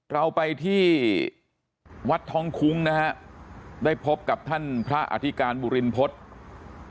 เราไปที่วัดท้องคุ้งนะฮะได้พบกับท่านพระอธิการบุรินพฤษ